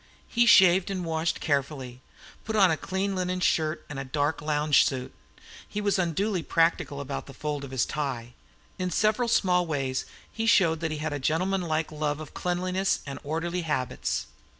He shaved and washed carefully; he put on a clean linen shirt and a dark lounge suit; he was unduly particular about the fold of his tie; in several small ways he showed that he had a gentlemanlike love of cleanliness and orderly habits.